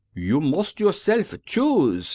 " You must yourself choose !